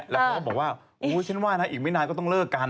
แล้วเขาก็บอกว่าโอ้ยฉันว่านะอีกไม่นานก็ต้องเลิกกัน